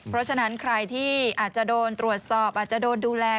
เพราะฉะนั้นใครที่อาจจะโดนตรวจสอบอาจจะโดนดูแล